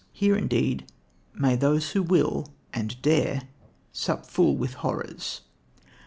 Here, indeed, may those who will and dare sup full with horrors.